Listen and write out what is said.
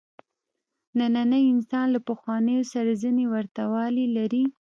نننی انسان له پخوانیو سره ځینې ورته والي لري.